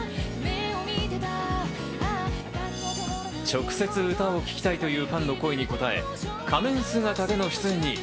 直接、歌を聴きたいというファンの声にこたえ、仮面姿での出演に。